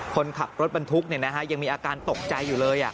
คนขับรถบรรทุกเนี่ยนะฮะยังมีอาการตกใจอยู่เลยอ่ะ